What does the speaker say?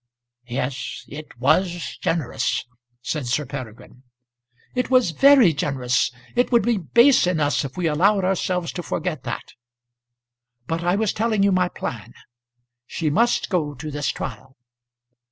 "Yes, it was generous," said Sir Peregrine. "It was very generous. It would be base in us if we allowed ourselves to forget that. But I was telling you my plan. She must go to this trial."